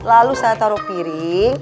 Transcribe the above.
lalu saya taruh piring